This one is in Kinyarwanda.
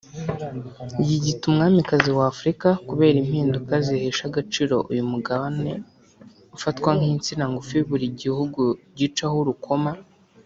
yiyita umwamikazi wa Afurika kubera impinduka zihesha agaciro uyu Mugabane ufatwa nk’insina ngufi buri gihugu gicaho urukoma